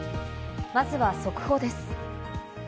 まずは速報です。